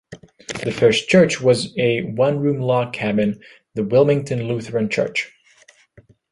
The first church was a one-room log cabin, the Wilmington Lutheran Church.